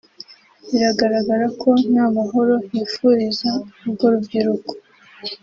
Biragaragara ko nta mahoro yifuriza urwo Rubyiruko